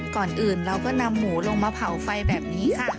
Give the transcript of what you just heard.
ก่อนอื่นเราก็นำหมูลงมาเผาไฟแบบนี้ค่ะ